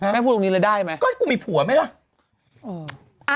พูดตรงนี้เลยได้ไหมก็กูมีผัวไหมล่ะ